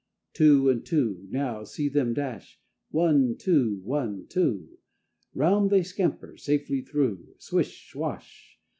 _ Two and two now, see them dash! One, two, one, two, Round they scamper, safely through, _Swish swash!